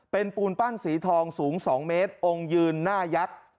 เป็นปูนปั้นสีทองสูง๒เมตรองค์ยืนหน้ายักษ์